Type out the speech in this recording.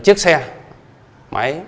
chiếc xe máy